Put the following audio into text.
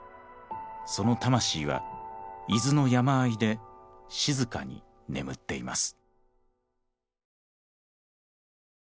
その魂は伊豆の山あいで静かに眠っています。